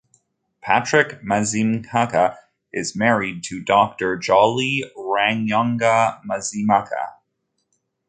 Patrick Mazimhaka is married to Doctor Jolly Rwanyonga Mazimhaka.